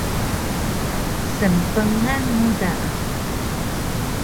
Snpgan mu da